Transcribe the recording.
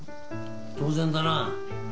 当然だな。